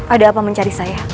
ada apa mencari saya